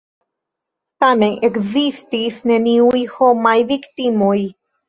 Tamen, ekzistis neniuj homaj viktimoj.